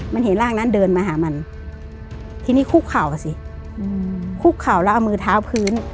มันเห็นร่างนั้นเดินมาหามันทีนี้คุกเข่าอ่ะสิคุกเข่าแล้วเอามือเท้าพื้น